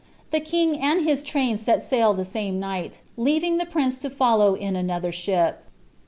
The king and ha (rain set sail the same night, leaving the prince to follow in another *hip.